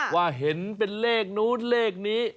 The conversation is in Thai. ว่าเห็นเป็นเลขนู้นเลขนี้